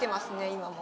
今も。